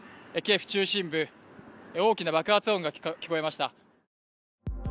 キエフ中心部、大きな爆発音が聞こえました。